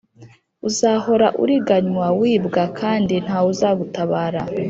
Uzahora uriganywa, wibwa kandi nta wuzagutabara.